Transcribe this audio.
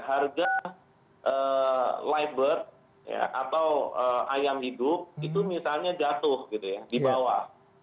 harga live bird atau ayam hidup itu misalnya jatuh gitu ya di bawah